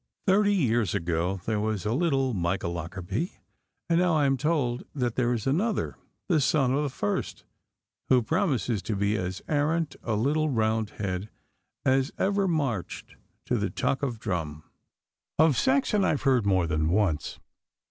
Thirty years ago there was a little Micah Lockarby, and now I am told that there is another, the son of the first, who promises to be as arrant a little Roundhead as ever marched to the tuck of drum. Of Saxon I have heard more than once.